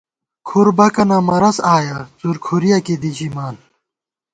کھُر بَکَنہ مرَض آیَہ ، څُورکھُرِیَہ کی دی ژِمان